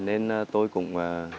nên tôi cũng